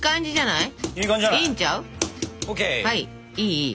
いいいい。